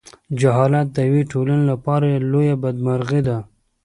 جهالت د یوې ټولنې لپاره لویه بدمرغي ده.